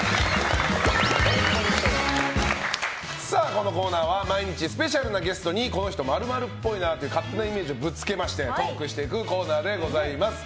このコーナーは、毎日スペシャルなゲストにこの人○○っぽいなという勝手なイメージをぶつけましてトークしていくコーナーです。